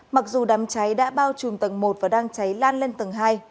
mặc dù đám cháy đã bao trùm tầng một và đang cháy lan lên tầng hai